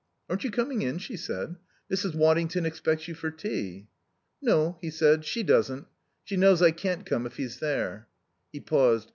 "Aren't you coming in?" she said. "Mrs. Waddington expects you for tea." "No," he said, "she doesn't. She knows I can't come if he's there." He paused.